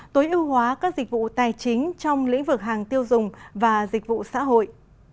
tối ưu hóa các dịch vụ tài chính trong lĩnh vực hàng tiêu dùng và dịch vụ xã hội